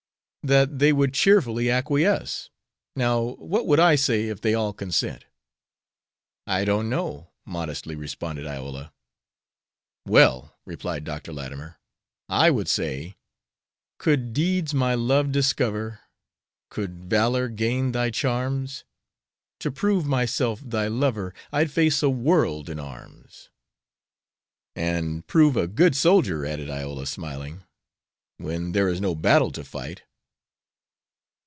"That they would cheerfully acquiesce. Now, what would I say if they all consent?" "I don't know," modestly responded Iola. "Well," replied Dr. Latimer, "I would say: "Could deeds my love discover, Could valor gain thy charms, To prove myself thy lover I'd face a world in arms." "And prove a good soldier," added Iola, smiling, "when there is no battle to fight."